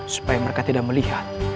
supaya mereka tidak melihat